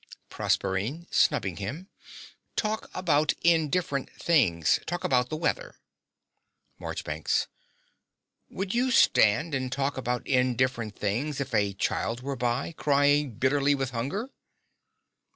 PROSERPINE (snubbing him). Talk about indifferent things, talk about the weather. MARCHBANKS. Would you stand and talk about indifferent things if a child were by, crying bitterly with hunger?